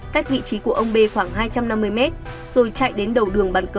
cách vị trí của ông b khoảng hai trăm năm mươi mét rồi chạy đến đầu đường bàn cờ